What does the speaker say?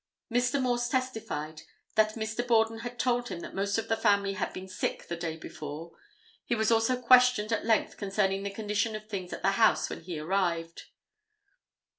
Mr. Morse testified that Mr. Borden had told him that most of the family had been sick the day before. He was also questioned at length concerning the condition of things at the house when he arrived.